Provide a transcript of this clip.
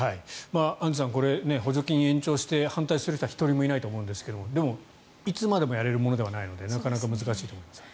アンジュさん補助金を延長して反対する人は１人もいないと思うんですがでも、いつまでもやれるものではないのでなかなか難しいところですね。